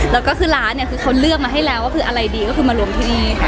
แล้วก็คือร้านเนี่ยคือเขาเลือกมาให้แล้วว่าคืออะไรดีก็คือมารวมที่นี่ค่ะ